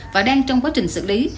và đang trong quá trình xử lý